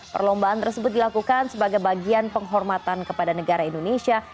perlombaan tersebut dilakukan sebagai bagian penghormatan kepada negara indonesia